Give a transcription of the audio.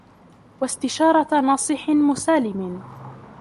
وَاسْتِشَارَةِ نَاصِحٍ مُسَالِمٍ